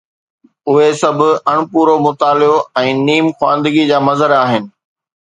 اهي سڀ اڻپورو مطالعو ۽ نيم خواندگيءَ جا مظهر آهن.